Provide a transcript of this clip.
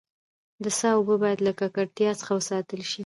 د څاه اوبه باید له ککړتیا څخه وساتل سي.